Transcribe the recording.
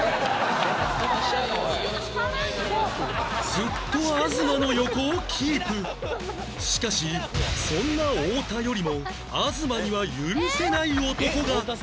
ずっとしかしそんな太田よりも東には許せない男が